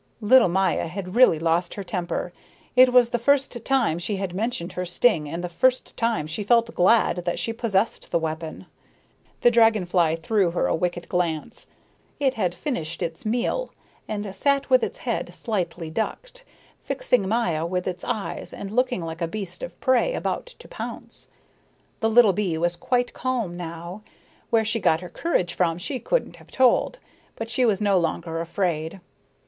Little Maya had really lost her temper. It was the first time she had mentioned her sting and the first time she felt glad that she possessed the weapon. The dragon fly threw her a wicked glance. It had finished its meal and sat with its head slightly ducked, fixing Maya with its eyes and looking like a beast of prey about to pounce. The little bee was quite calm now. Where she got her courage from she couldn't have told, but she was no longer afraid.